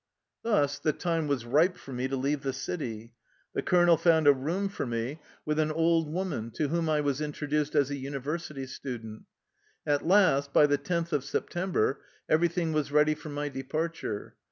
Thus the time was ripe for me to leave the city. The colonel found a room for me with an 227 THE LIFE STOEY OF A RUSSIAN EXILE old woman, to whom I was introduced as a uni versity student. At last, by the tenth of Sep tember, everything was ready for my departure.